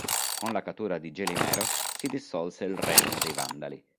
Con la cattura di Gelimero si dissolse il Regno dei Vandali.